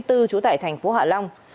trú tại thành phố hạ long